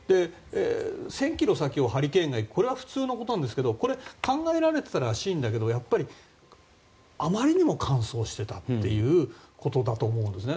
１０００ｋｍ先をハリケーンが行くのは普通のことですが考えられていたらしいですがやっぱりあまりにも乾燥していたということだと思うんですね。